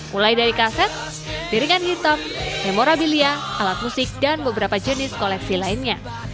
mulai dari kaset piringan hitam memorabilia alat musik dan beberapa jenis koleksi lainnya